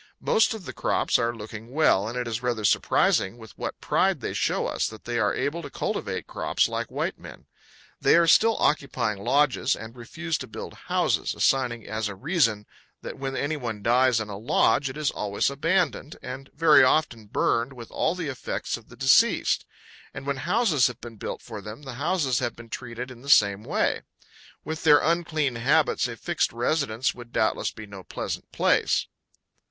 Most of the crops are looking well, and it is rather surprising with what pride they show us that they are able to cultivate crops like white men. They are still occupying lodges, and refuse to build houses, assigning as a reason that when any one dies in a lodge it is always abandoned, and very often burned with all the effects of the deceased; and when houses have been built for them the houses have been treated in the same way. With their unclean habits, a fixed residence would doubtless be no pleasant place.